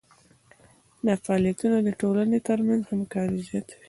دا فعالیتونه د ټولنې ترمنځ همکاري زیاتوي.